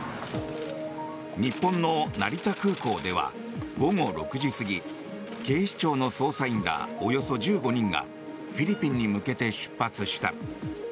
日本の成田空港では午後６時過ぎ警視庁の捜査員らおよそ１５人がフィリピンに向けて出発した。